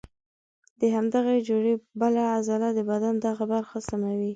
د همدغې جوړې بله عضله د بدن دغه برخه سموي.